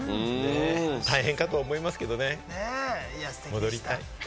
大変かと思いますけれどもね、戻りたい。